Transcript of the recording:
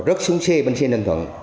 rất xuống xe bên xe ninh thuận